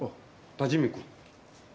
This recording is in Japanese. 田治見君。